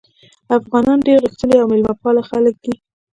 افغانان ډېر غښتلي او میلمه پاله خلک دي.